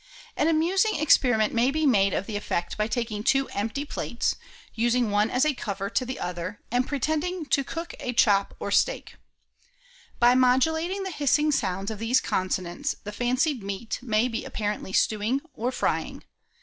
An amusing ex periment may be made of the effect by taking two empty plates, using one as a cover to the other, and pretending to cook a chop or 32 MACCABE'8 art of ventriloquism steak. By modulating the hissing sounds of these consonants the fancied meat may be apparently stewing or frying.